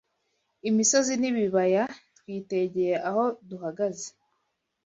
imisozi n’ibibaya twitegeye aho duhagaze